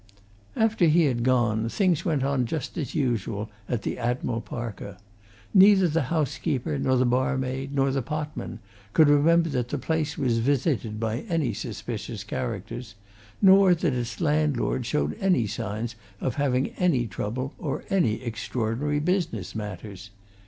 After he had gone, things went on just as usual at the Admiral Parker. Neither the housekeeper, nor the barmaid, nor the potman, could remember that the place was visited by any suspicious characters, nor that its landlord showed any signs of having any trouble or any extraordinary business matters.